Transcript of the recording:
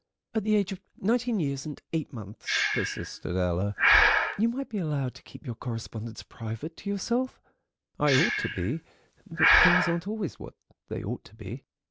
"At the age of nineteen years and eight months," persisted Ella, "you might be allowed to keep your correspondence private to yourself." "I ought to be, but things aren't always what they ought to be.